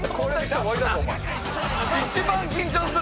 一番緊張する。